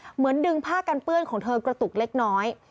เหมือนดึงผ้ากันเปื้อนของเธอกระตุกเล็กน้อย